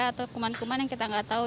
atau kuman kuman yang kita nggak tahu